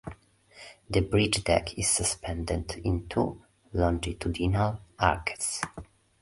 The bridge deck is suspended on two longitudinal arches.